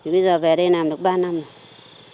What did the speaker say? bây giờ về đây làm được ba năm rồi